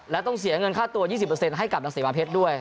และต้องเสียเงินค่าตัว๒๐ให้กับนางศรีมาเพชรด้วย